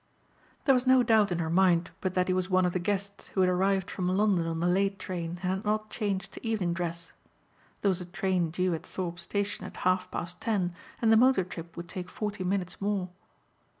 There was no doubt in her mind but that he was one of the guests who had arrived from London on the late train and had not changed to evening dress. There was a train due at Thorpe station at half past ten and the motor trip would take forty minutes more.